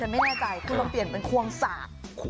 ฉันไม่แน่ใจกลมเปลี่ยนเป็นควงสาก